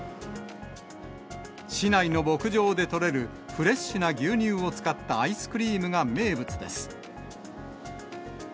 市内の牧場で取れるフレッシュな牛乳を使ったアイスクリームが名物です。